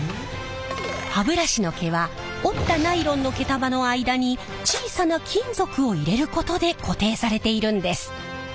歯ブラシの毛は折ったナイロンの毛束の間に小さな金属を入れることで固定されているんです。